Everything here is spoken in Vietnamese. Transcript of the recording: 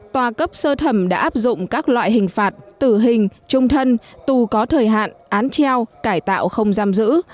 tòa cấp sơ thẩm đã áp dụng các loại hình phạt tử hình trung thân tù có thời hạn án treo cải tạo không giam giữ